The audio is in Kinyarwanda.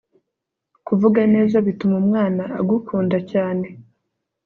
kuvuga neza bituma umwana agukunda cyane